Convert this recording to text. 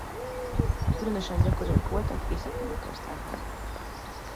Különösen gyakoriak voltak Észak-Németországban.